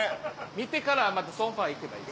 見てからまたソンファ行けばいい。